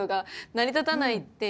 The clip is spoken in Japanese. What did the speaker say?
成り立たないっていう。